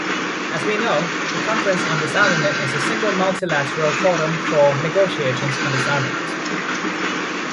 As we know, the Conference on Disarmament is a single multilateral forum for negotiations on disarmament.